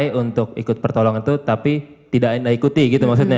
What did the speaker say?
saya untuk ikut pertolongan itu tapi tidak ikuti gitu maksudnya